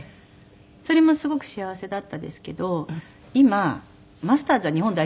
それもすごく幸せだったですけど今マスターズは日本代表では。